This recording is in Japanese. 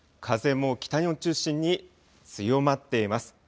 風も北日本中心に強まっています。